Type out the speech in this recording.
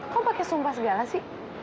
kok pakai sumpah segala sih